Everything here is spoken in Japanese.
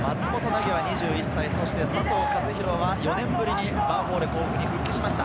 生は２１歳、佐藤和弘は４年ぶりにヴァンフォーレ甲府に復帰しました。